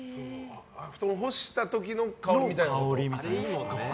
布団を干した時の香りみたいなことね。